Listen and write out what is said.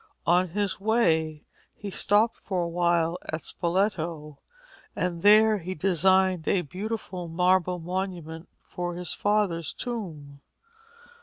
On his way he stopped for a while at Spoleto, and there he designed a beautiful marble monument for his father's tomb.